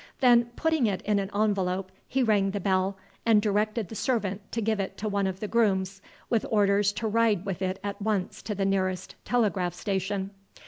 Then putting it in an envelope, he rang the bell and directed the servant to give it to one of the grooms with orders to ride with it at once to the nearest telegraph station.